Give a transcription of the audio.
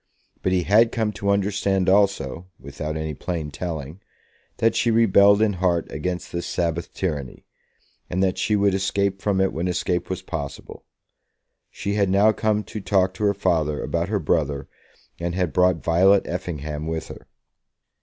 But he had come to understand also, without any plain telling, that she rebelled in heart against this Sabbath tyranny, and that she would escape from it when escape was possible. She had now come to talk to her father about her brother, and had brought Violet Effingham with her.